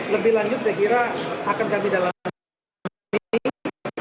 lebih lanjut saya kira akan kami dalami